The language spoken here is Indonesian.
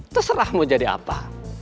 terserah mau jadi apa